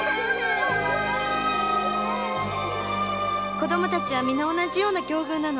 子供たちは皆同じような境遇なの。